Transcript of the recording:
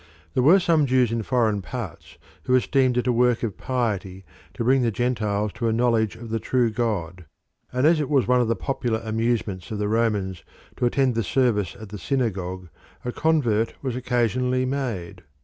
There were some Jews in foreign parts who esteemed it a work of piety to bring the Gentiles to a knowledge of the true God, and as it was one of the popular amusements of the Romans to attend the service at the synagogue a convert was occasionally made.